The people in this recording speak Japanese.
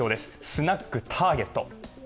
スナックターゲット。